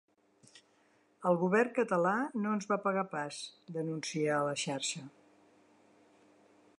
El govern català no ens va pagar pas, denuncia a la xarxa.